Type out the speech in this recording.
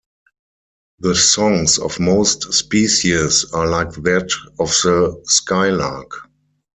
The songs of most species are like that of the skylark.